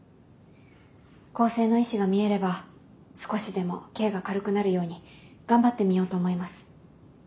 更生の意思が見えれば少しでも刑が軽くなるように頑張ってみようと思います。